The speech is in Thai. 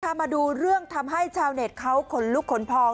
มาดูเรื่องทำให้ชาวเน็ตเขาขนลุกขนพอง